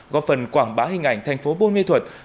góp phần quảng bá hình ảnh thành phố buôn mê thuật